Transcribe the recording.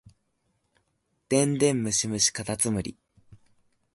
電電ムシムシかたつむり